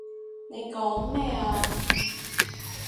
你講咩啊？